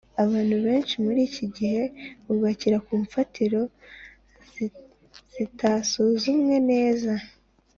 abantu benshi muri iki gihe bubakira ku mfatiro zitasuzumwe neza